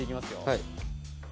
はい